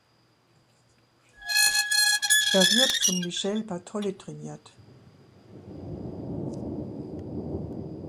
Er wird von Michele Bartoli trainiert.